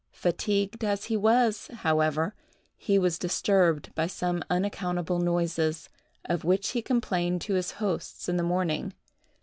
Fatigued as he was, however, he was disturbed by some unaccountable noises, of which he complained to his hosts in the morning.